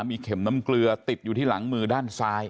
มีเข็มน้ำเกลือติดอยู่ที่หลังมือด้านซ้าย